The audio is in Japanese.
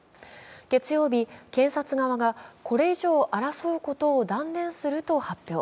月曜日、検察側が、これ以上争うことを断念すると発表。